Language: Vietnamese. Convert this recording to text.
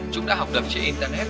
chúng đã học đập trên internet